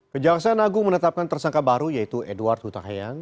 kejaksaan agung menetapkan tersangka baru yaitu edward hutahayan